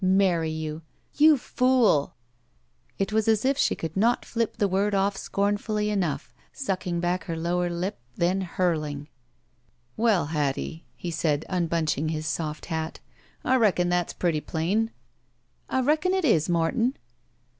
Marry you! You fool!" It was as if she cotdd not flip the word off scorn fully enough, sucking back her lower lip, then hurling. "Well, Hattie," he said, unbundling his soft hat, "I reckon that's pretty plain." "I reckon it is, Morton."